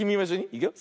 いくよ。